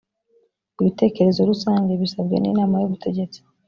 ibitekerezo rusange bisabwe n’inama y’ubutegetsi